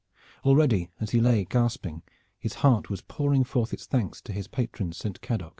Already, as he lay gasping, his heart was pouring forth its thanks to his patron Saint Cadoc.